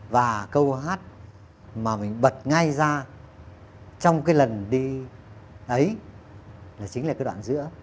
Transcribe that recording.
và câu hát mà mình bật ngay ra trong cái lần đi ấy là chính là cái đoạn giữa